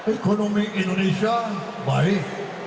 ekonomi indonesia baik